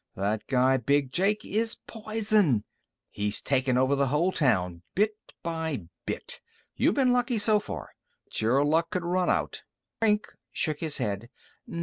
"That guy Big Jake is poison! He's takin' over the whole town, bit by bit! You've been lucky so far, but your luck could run out " Brink shook his head.